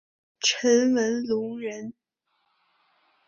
陈文龙人。